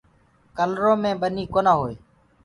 ڪلرو مي ٻنيٚ ڪونآ هوئي